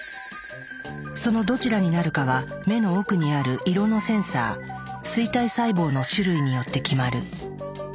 そのどちらになるかは目の奥にある色のセンサー「錐体細胞」の種類によって決まる。